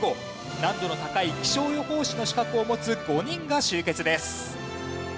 難度の高い気象予報士の資格を持つ５人が集結です。